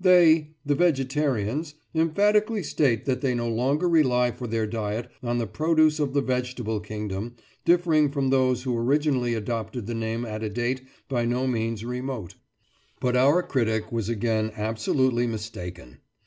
"They (the "vegetarians") emphatically state that they no longer rely for their diet on the produce of the vegetable kingdom, differing from those who originally adopted the name at a date by no means remote." Footnote 2: Ibid., June, 1898. But our critic was again absolutely mistaken.